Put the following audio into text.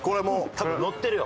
多分載ってるよ。